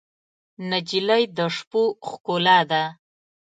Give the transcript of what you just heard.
نجلۍ د شپو ښکلا ده.